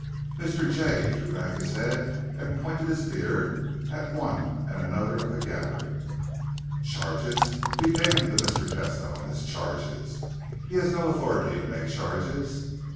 Mr. Jay threw back his head and pointed his beard at one and another of the gathering. "Charges? Be damned to Mr. Tesno and his charges! He has no authority to make charges!"